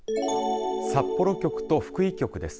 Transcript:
札幌局と福井局です。